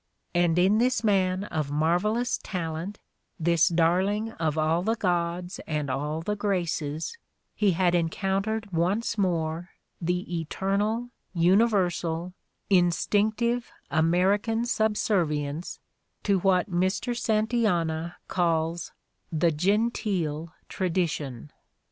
And in this man of marvelous talent, this darling of all the gods and all the graces, he had en countered once more the eternal, universal, instinctive American subservience to what Mr. Santayana calls "the genteel tradition."